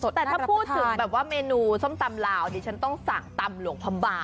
แต่ถ้าพูดถึงเมนูส้มตำลาวชั้นต้องสั่งตำหลวงพรรมบาล